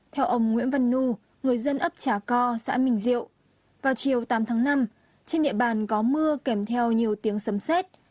theo ông nguyễn văn nu người dân ấp trà co xã minh diệu vào chiều tám tháng năm trên địa bàn có mưa kèm theo nhiều tiếng sấm xét